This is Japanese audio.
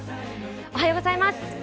おはようございます。